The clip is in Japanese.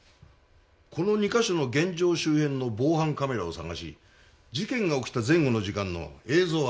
この２か所の現場周辺の防犯カメラを探し事件が起きた前後の時間の映像を集める。